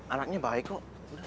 anaknya baik kok